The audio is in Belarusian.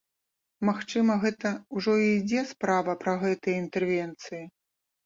Магчыма, гэта ўжо і ідзе справа пра гэтыя інтэрвенцыі?